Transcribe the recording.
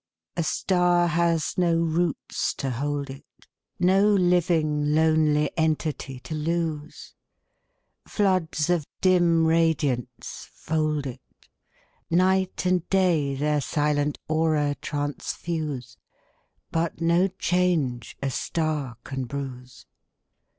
A star has do roots to hold it, No living lonely entity to lose. Floods of dim radiance fold it ; Night and day their silent aura transfuse, But no change a star oan bruise.